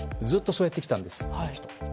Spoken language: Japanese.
ずっとそうやってきたんです。